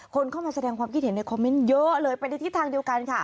คนเข้ามาแสดงความคิดเห็นในคอมเมนต์เยอะเลยไปในทิศทางเดียวกันค่ะ